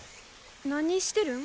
何してるん。